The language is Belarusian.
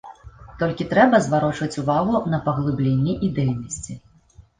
Толькі трэба зварочваць увагу на паглыбленне ідэйнасці.